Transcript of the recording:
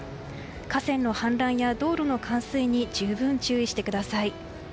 河川の氾濫や道路の冠水に十分注意してください。